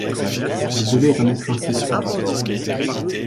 Il devait en être ainsi cependant.